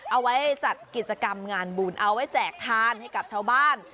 เอาไว้จัดกิจกรรมงานบุญเอาไว้แจกทานให้กับชาวบ้าน